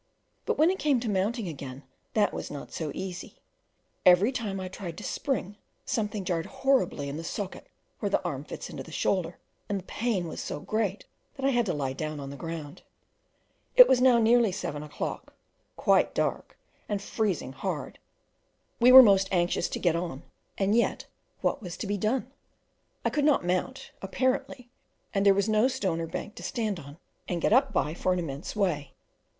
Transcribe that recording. But when it came to mounting again, that was not so easy: every time I tried to spring, something jarred horribly in the socket where the arm fits into the shoulder, and the pain was so great that I had to lie down on the ground. It was now nearly seven o'clock, quite dark, and freezing hard; we were most anxious to get on, and yet what was to be done? I could not mount, apparently, and there was no stone or bank to stand on and get up by for an immense way.